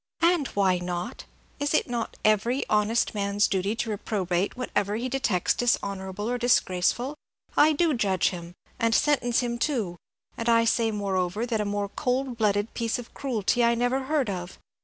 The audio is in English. "And why not? Is it not every honest man's duty to reprobate whatever he detects dishonorable or disgraceful? I do judge him, and sentence him too, and I say, moreover, that a more cold blooded piece of cruelty I never heard of.